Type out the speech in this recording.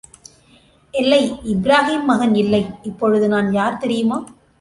இல்லை இப்ராகீம் மகன் இல்லை, இப்பொழுது நான் யார் தெரியுமா?